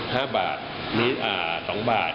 ห้าบาทมีอ่าสองบาท